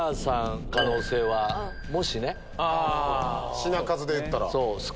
品数でいったら。